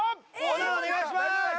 斧お願いします！